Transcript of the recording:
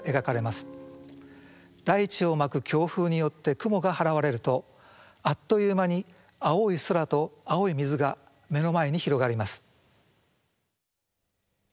大地を巻く強風によって雲が払われるとあっという間に青い空と青い水が目の前に広がります。